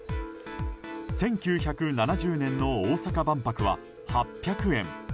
１９７０年の大阪万博は８００円。